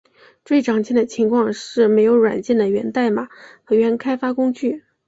最常见的情况是没有软件的源代码和原开发工具。